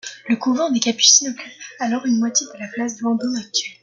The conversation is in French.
Le couvent des Capucines occupe alors une moitié de la place Vendôme actuelle.